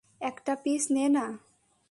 একটা পিস নে না!